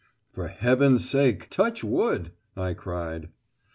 "For heaven's sake, touch wood," I cried.